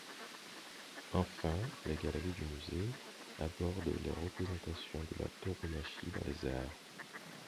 Enfin, les galeries du musée abordent les représentations de la tauromachie dans les arts.